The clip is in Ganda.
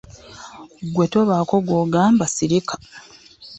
Ggwe tobaako gw'ogamba sirika.